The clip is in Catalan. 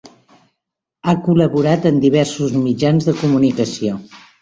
Ha col·laborat en diversos mitjans de comunicació.